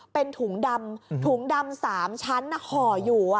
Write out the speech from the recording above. เป็นถุงดำถุงดำ๓ชั้นห่ออยู่